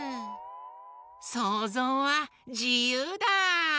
そうぞうはじゆうだ！